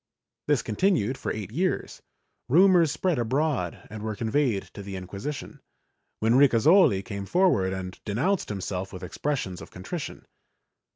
This continued for eight years; rumors spread abroad and were conveyed to the Inquisi tion, when Ricasoli came forward and denounced himself with expressions of contrition.